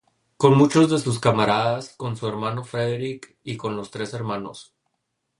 Con muchos de sus camaradas, con su hermano Frederick, y con los tres Hnos.